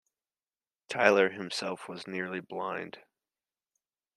Tylor himself was nearly blind.